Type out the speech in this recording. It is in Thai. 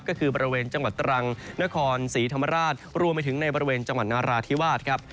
ก็คือบริเวณจังหวัดตรังนครศรีธรรมราชรวมไปถึงในบริเวณจังหวัดนาราธิวาสครับ